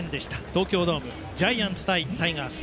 東京ドームジャイアンツ対タイガース。